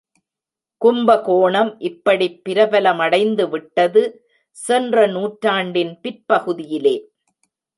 கும்பகோணம் இப்படிப் பிரபலமடைந்துவிட்டது சென்ற நூற்றாண்டின் பிற்பகுதியிலே.